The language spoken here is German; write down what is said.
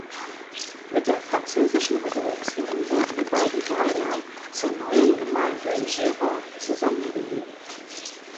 Mit der französischen Revolution wurden die beiden Weiler zur neuen Gemeinde Giron zusammengelegt.